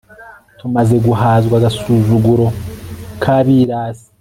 tumaze guhazwa agasuzuguro k'abirasi